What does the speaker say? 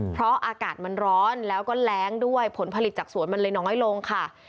เพราะอากาศมันร้อนแล้วก็แรงด้วยผลผลิตจากสวนมันเลยน้อยลงค่ะ